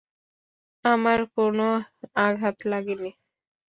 আমার কোনও আঘাত লাগেনি!